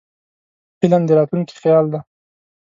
فلم د راتلونکي خیال دی